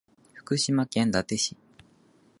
福島県伊達市